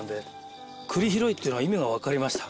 「栗拾い」っていうのは意味がわかりました。